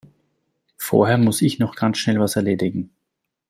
Vorher muss ich noch ganz schnell was erledigen.